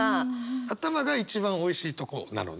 頭が一番おいしいとこなのね？